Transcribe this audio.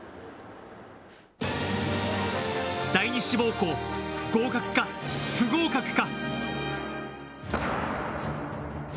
第二志望校、合格か不合格か？